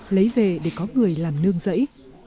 lấy về để có người làm nương dẫy